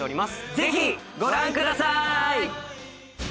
ぜひご覧ください！